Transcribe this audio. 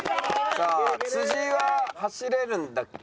さあは走れるんだっけ？